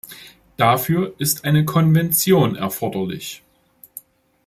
Dafür ist eine Konvention erforderlich.